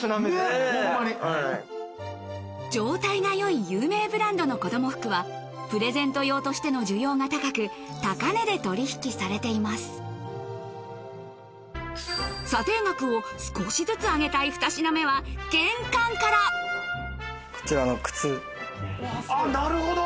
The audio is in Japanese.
状態が良い有名ブランドの子供服はプレゼント用としての需要が高く査定額を少しずつ上げたい２品目は玄関からなるほど！